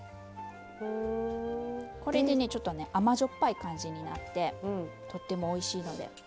これでね、ちょっと甘じょっぱい感じになってとってもおいしいので。